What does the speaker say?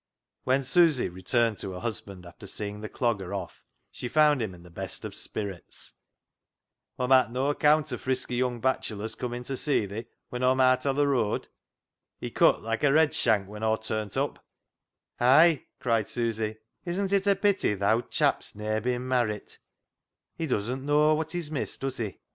When Susy returned to her husband after seeing the Clogger off, she found him in the best of spirits. " Aw mak* noa accaant o' frisky young bachelors comin' ta see thee when Aw'm aat FOR BETTER, FOR WORSE 187 o' th' rooad. He cut loike a redshank when Aw turnt up." " Hay," cried Susy. " Isn't it a pity th' owd chap's ne'er bin marrit? He doesn't know wot he's missed, does he